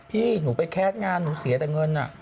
พี่หนูไปแคสต์งานหนูเสียแต่เงิน